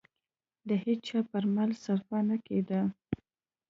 د هېچا پر مال صرفه نه کېده.